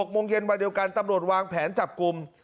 โมงเย็นวันเดียวกันตำรวจวางแผนจับกลุ่ม